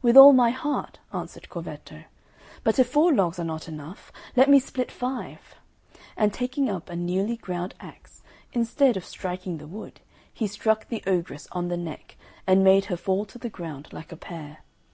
"With all my heart," answered Corvetto, "but if four logs are not enow, let me split five." And taking up a newly ground axe, instead of striking the wood, he struck the ogress on the neck, and made her fall to the ground like a pear.